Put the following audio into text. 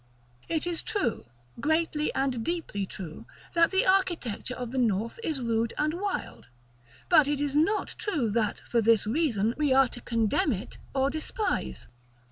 It is true, greatly and deeply true, that the architecture of the North is rude and wild; but it is not true, that, for this reason, we are to condemn it, or despise.